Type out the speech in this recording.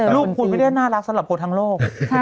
ลูกคุณไม่ได้น่ารักสำหรับคนทั้งโลก